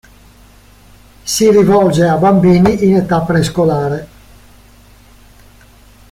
Si rivolge a bambini in età prescolare.